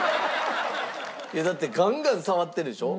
いやだってガンガン触ってるでしょ？